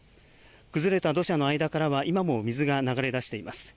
崩れた土砂の間からは、今も水が流れ出しています。